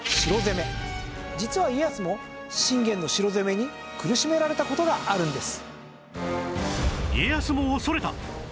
実は家康も信玄の城攻めに苦しめられた事があるんです。